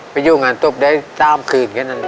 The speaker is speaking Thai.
ไปเยี่ยมงานตบได้ตามคืนแค่นั้น